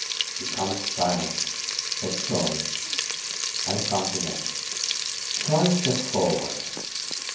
"You promised silence," said Troy. "I promise again." Troy stepped forward.